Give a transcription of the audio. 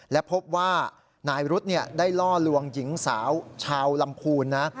และพบว่านายรุธได้ล่อลวงหญิงสาวชาวลำพูนนะ